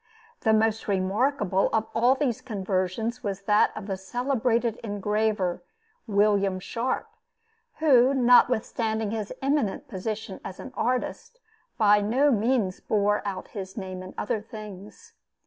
The most remarkable of all these conversions was that of the celebrated engraver, William Sharp, who, notwithstanding his eminent position as an artist, by no means bore out his name in other things.